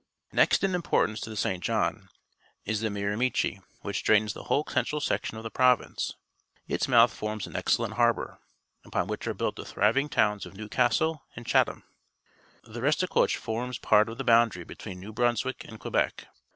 Next in importance to the St. John is the M iramichi , which drains the whole central section of the province. Its mouth forms an excellent harbour, upon wliich are built the thriving towns of N'eivcastle and Chatham. The R estiqouche forms part of the bound ary between New Brunswdck and Quebec.